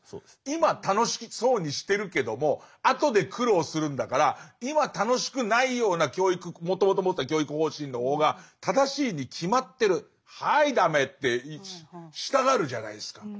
今楽しそうにしてるけども後で苦労するんだから今楽しくないような教育もともと持ってた教育方針の方が正しいに決まってるはい駄目ってしたがるじゃないですか。